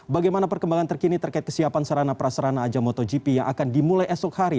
bagaimana perkembangan terkini terkait kesiapan serana praserana aja motogp yang akan dimulai esok hari